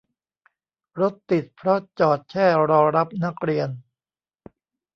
รถติดเพราะจอดแช่รอรับนักเรียน